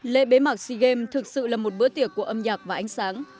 lễ bế mạc sea games thực sự là một bữa tiệc của âm nhạc và ánh sáng